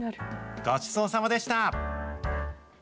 ごちそうさまでした。